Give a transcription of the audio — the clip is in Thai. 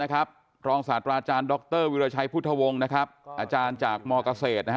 รองศาสตราอาจารย์ดรวิราชัยพุทธวงศ์อาจารย์จากมเกษตร